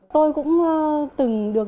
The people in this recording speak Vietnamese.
tôi cũng từng được